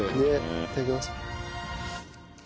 いただきます。